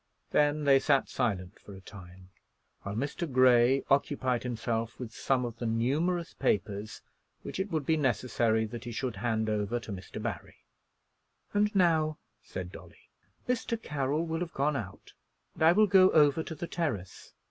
Then they sat silent for a time, while Mr. Grey occupied himself with some of the numerous papers which it would be necessary that he should hand over to Mr. Barry. "And now," said Dolly, "Mr. Carroll will have gone out, and I will go over to the Terrace.